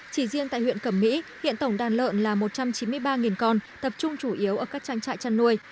chỉ riêng tại huyện cẩm mỹ hiện tổng đàn lợn là một trăm chín mươi ba con tập trung chủ yếu ở các trang trại chăn nuôi